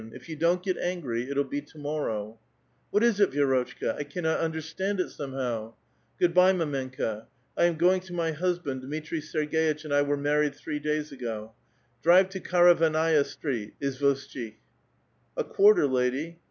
If you don't get augrv, it'll be to mor row." ,*■*■ AVhat is it, Vi^rotchka ? I cannot understand it, some p.^ '* Good by, mdmenka; I am going to my husband. ^^^itri Serg^itch and I were married three days ago. Drive Karavannaia Street, Izvoshchik." A quarter, lady."